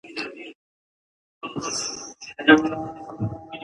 طبیعت د زغم او بل منلو یو ژوندی مثال دی.